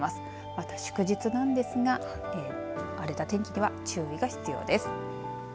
また祝日なんですが荒れた天気には注意が必要です。